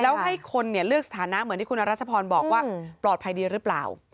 แล้วให้คนเลือกสถานะเหมือนที่คุณอรัชพรบอกว่าปลอดภัยดีหรือเปล่า